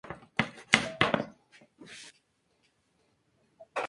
El presidente electo debía asumir su cargo, teniendo en cuenta las decisiones del Congreso.